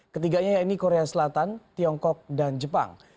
ketiganya yaitu korea selatan tiongkok dan jepang